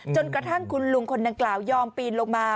จนกระทั่งคุณลุงคนดังกล่าวยอมปีนลงมา